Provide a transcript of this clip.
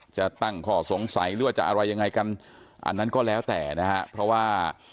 จะตั้งข้อสงสัยหรือว่าจะอะไรยังไงกันอันนั้นก็แล้วแต่นะฮะเพราะว่า